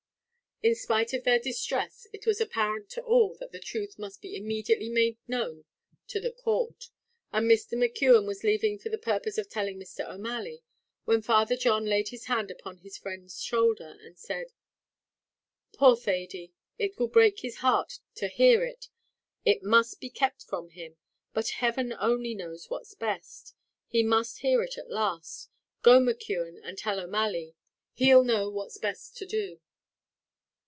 In spite of their distress it was apparent to all that the truth must be immediately made known in the court, and Mr. McKeon was leaving for the purpose of telling Mr. O'Malley, when Father John laid his hand upon his friend's shoulder, and said "Poor Thady, it will break his heart to hear it. It must be kept from him. But heaven only knows what's best; he must hear it at last. Go, McKeon, and tell O'Malley; he'll know what's best to do."